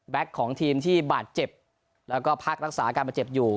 ของทีมที่บาดเจ็บแล้วก็พักรักษาอาการบาดเจ็บอยู่